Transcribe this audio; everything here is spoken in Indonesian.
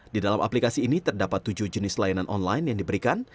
di dalam aplikasi ini terdapat tujuh jenis layanan online yang diberikan